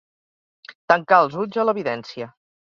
Tancar els ulls a l'evidència.